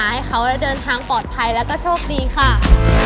ให้เขาได้เดินทางปลอดภัยแล้วก็โชคดีค่ะ